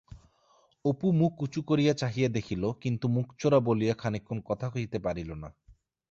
অপু মুখ উঁচু করিয়া চাহিয়া দেখিল কিন্তু মুখচোরা বলিয়া খানিকক্ষণ কথা কহিতে পারিল না।